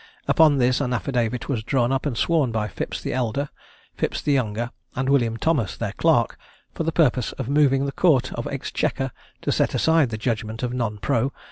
Upon this an affidavit was drawn up and sworn by Phipps the elder, Phipps the younger, and William Thomas, their clerk, for the purpose of moving the Court of Exchequer to set aside the judgment of _non pros.